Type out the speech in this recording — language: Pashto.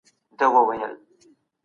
د کورنۍ تنظیم د مور او ماشوم په ګټه دی.